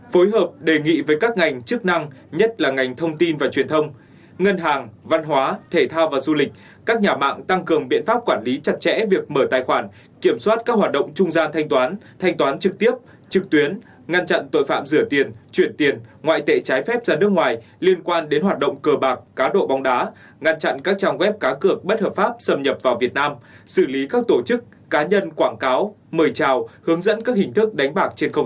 ba phối hợp đề nghị với các ngành chức năng nhất là ngành thông tin và truyền thông ngân hàng văn hóa thể thao và du lịch các nhà mạng tăng cường biện pháp quản lý chặt chẽ việc mở tài khoản kiểm soát các hoạt động trung gian thanh toán thanh toán trực tiếp trực tuyến ngăn chặn tội phạm rửa tiền chuyển tiền ngoại tệ trái phép ra nước ngoài liên quan đến hoạt động cờ bạc cá độ bóng đá ngăn chặn các trang web cá cược bất hợp pháp xâm nhập vào việt nam xử lý các tổ chức cá nhân quảng cáo mời trào hướng